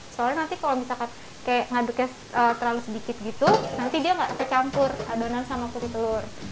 soalnya nanti kalau misalkan kayak ngaduknya terlalu sedikit gitu nanti dia nggak tercampur adonan sama kuri telur